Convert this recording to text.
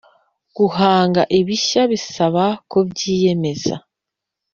guhanga ibishya bisaba kubyiyemeza,